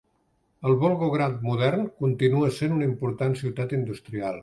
El Volgograd modern continua essent una important ciutat industrial.